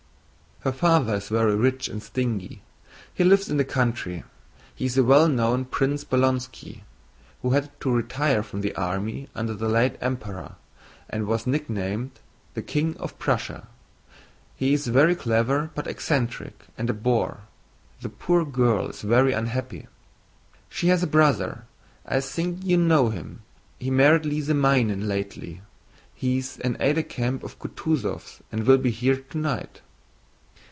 "Her father is very rich and stingy. He lives in the country. He is the well known Prince Bolkónski who had to retire from the army under the late Emperor, and was nicknamed 'the King of Prussia.' He is very clever but eccentric, and a bore. The poor girl is very unhappy. She has a brother; I think you know him, he married Lise Meinen lately. He is an aide de camp of Kutúzov's and will be here tonight."